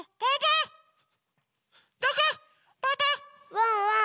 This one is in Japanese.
ワンワン